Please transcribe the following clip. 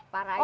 para ini juga